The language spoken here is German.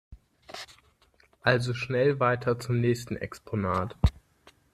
Also schnell weiter zum nächsten Exponat!